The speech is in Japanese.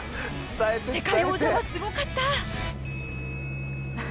世界王者はすごかった！